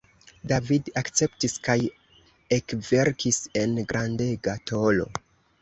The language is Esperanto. David akceptis kaj ekverkis en grandega tolo.